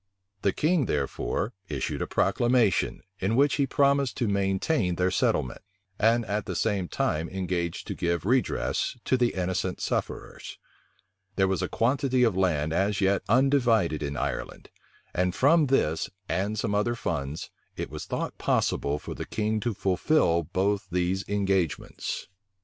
The king, therefore, issued a proclamation, in which he promised to maintain their settlement, and at the same time engaged to give redress to the innocent sufferers. There was a quantity of land as yet undivided in Ireland; and from this and some other funds, it was thought possible for the king to fulfil both these engagements.